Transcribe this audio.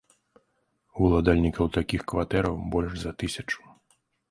Уладальнікаў такіх кватэраў больш за тысячу.